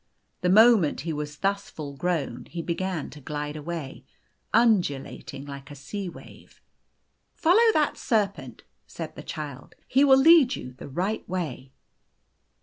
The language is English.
The moment he was thus full grown, he began to glide away, undu lating like a sea wave. "Follow that serpent," said the Child. "He will lead you the right way."